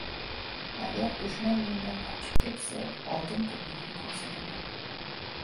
• Agar dushman mendan qochib ketsa — oltin ko‘prikni ko‘rsataman.